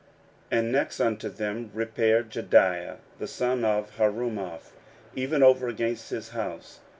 16:003:010 And next unto them repaired Jedaiah the son of Harumaph, even over against his house.